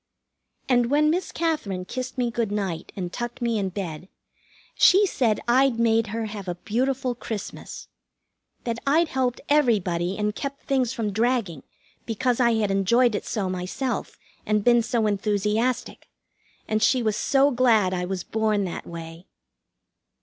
And when Miss Katherine kissed me good night and tucked me in bed, she said I'd made her have a beautiful Christmas. That I'd helped everybody and kept things from dragging, because I had enjoyed it so myself, and been so enthusiastic, and she was so glad I was born that way.